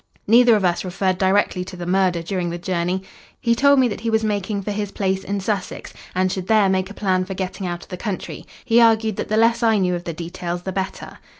Neither of us referred directly to the murder during the journey. He told me that he was making for his place in Sussex, and should there make a plan for getting out of the country. He argued that the less I knew of details the better."